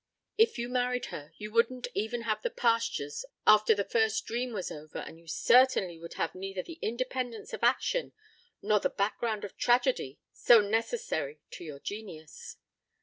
If you married her you wouldn't even have the pastures after the first dream was over and you certainly would have neither the independence of action nor the background of tragedy so necessary to your genius.